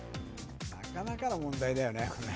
なかなかの問題だよね、これ。